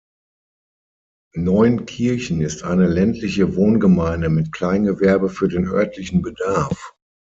Neunkirchen ist eine ländliche Wohngemeinde mit Kleingewerbe für den örtlichen Bedarf.